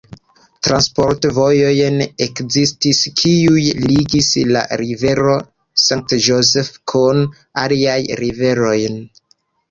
Transport-vojojn ekzistis kiuj ligis la Rivero St. Joseph kun aliaj riveroj.